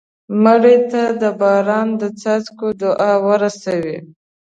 مړه ته د باران د څاڅکو دعا ورسوې